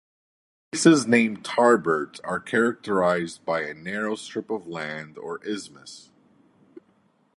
Places named Tarbert are characterised by a narrow strip of land, or isthmus.